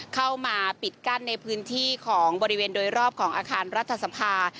เข้ามาปิดกั้นในพื้นที่ของบริเวณโดยรอบของอาคารรัฐสภา